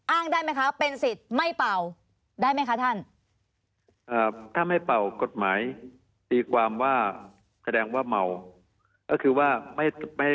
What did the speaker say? อ้างได้มั้ยคะเป็นสิทธิ์ไม่เป่าได้มั้ยคะท่าน